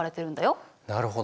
なるほどね。